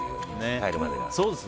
帰るまでが。